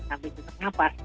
sampai kita menghapas